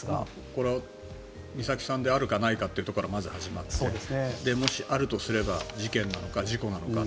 これは美咲さんであるかないかというところから始まってもしあるとすれば事件なのか事故なのか。